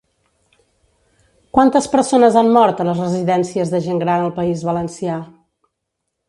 Quantes persones han mort a les residències de gent gran al País Valencià?